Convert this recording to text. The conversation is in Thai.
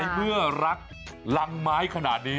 เมื่อรักรังไม้ขนาดนี้